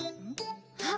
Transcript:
あっ！